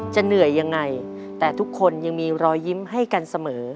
เหนื่อยยังไงแต่ทุกคนยังมีรอยยิ้มให้กันเสมอ